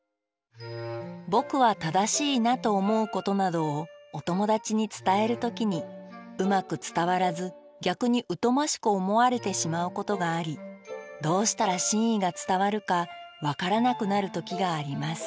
「ぼくは正しいなと思うことなどをお友達に伝える時にうまく伝わらず逆にうとましく思われてしまう事がありどうしたら真意が伝わるか分からなくなる時があります」。